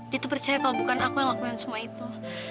dia tuh percaya kalau bukan aku yang lakuin semua itu